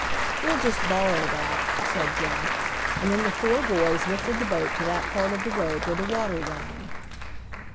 "We'll just borrow that," said Jack, and then the four boys lifted the boat to that part of the road where the water ran.